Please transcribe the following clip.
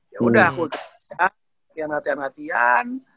ya udah aku latihan latihan latihan latihan